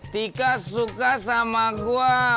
dika suka sama gua